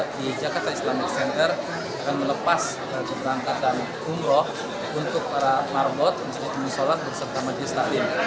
di jakarta islamic center akan melepas keberangkatan umroh untuk para marbot untuk sholat berserta majelis taklim